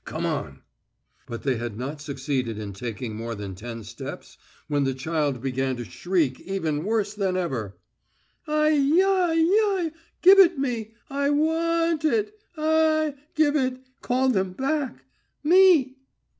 "Come on!" But they had not succeeded in taking more than ten steps when the child began to shriek even worse than ever: "Ai yai yai! Give it me! I wa ant it! A a a! Give it! Call them back! Me!"